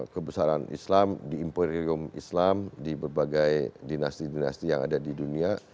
kebesaran islam di imperium islam di berbagai dinasti dinasti yang ada di dunia